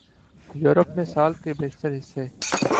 Europe میں سال کے بیشتر حصے